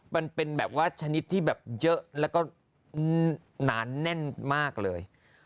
มันเป็นแบบว่าชนิดที่แบบเยอะแล้วก็หนานแน่นมากเลย